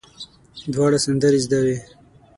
دواړو سندرې زده وې.